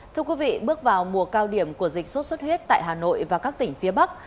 thưa quý vị bước vào mùa cao điểm của dịch sốt xuất huyết tại hà nội và các tỉnh phía bắc